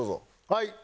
はい。